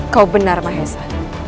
kau benar mahesa